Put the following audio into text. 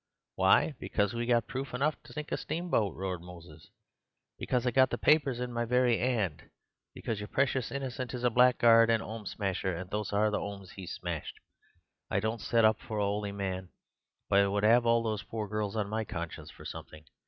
"Why! Because we've got proof enough to sink a steamboat," roared Moses; "because I've got the papers in my very 'and; because your precious Innocent is a blackguard and 'ome smasher, and these are the 'omes he's smashed. I don't set up for a 'oly man; but I wouldn't 'ave all those poor girls on my conscience for something.